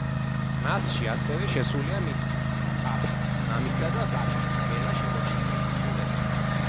მასში ასევე შესულია მისი პაპის, მამისა და ვაჟის ყველა შემორჩენილი თხზულება.